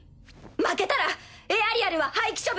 負けたらエアリアルは破棄処分。